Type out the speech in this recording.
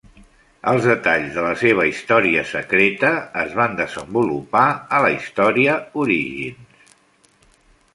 Els detalls de la seva història secreta es van desenvolupar a la història "Origins".